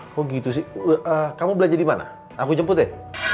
kok gitu sih kamu belanja dimana aku jemput deh